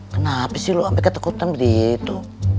kenapa sih lo sampai ketakutan begitu